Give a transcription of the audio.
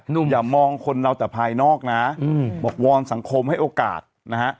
หนุ่มอย่ามองคนเราแต่ภายนอกนะบอกวอนสังคมให้โอกาสนะฮะ